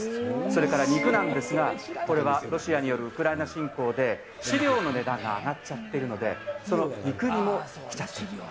それから肉なんですが、これはロシアによるウクライナ侵攻で飼料の値段が上がっちゃっているので、その肉にもきちゃってる。